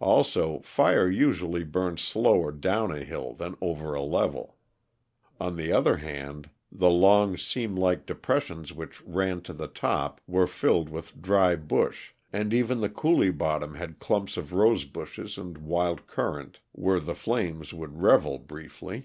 Also, fire usually burns slower down a hill than over a level. On the other hand, the long, seamlike depressions which ran to the top were filled with dry brush, and even the coulee bottom had clumps of rosebushes and wild currant, where the flames would revel briefly.